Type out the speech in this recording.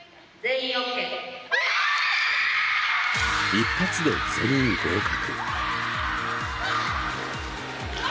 一発で全員合格。